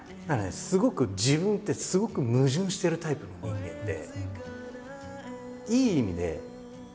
すごく自分ってすごく矛盾してるタイプの人間で。